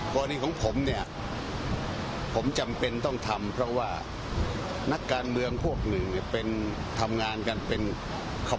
กรณีของผมเนี่ยผมจำเป็นต้องทำเพราะว่านักการเมืองพวกหนึ่งเนี่ยเป็นทำงานกันเป็น